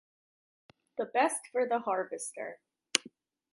The best for the harvester.